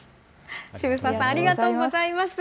渋沢さん、ありがとうございます。